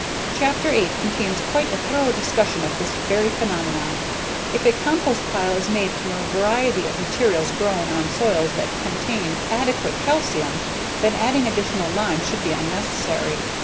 Chapter Eight contains quite a thorough discussion of this very phenomena. If a compost pile is made from a variety of materials grown on soils that contained adequate calcium, then adding additional lime should be unnecessary.